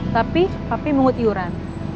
tapi papi mengut iuran